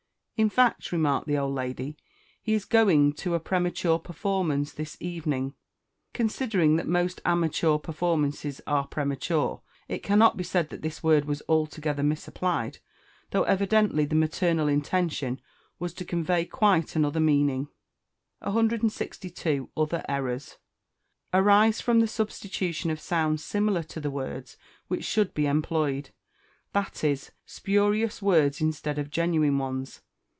"In fact," remarked the old lady, "he is going to a premature performance this evening!" Considering that most amateur performances are premature, it cannot be said that this word was altogether misapplied; though, evidently, the maternal intention was to convey quite another meaning. 162. Other Errors arise from the substitution of sounds similar to the words which should be employed; that is, spurious words instead of genuine ones.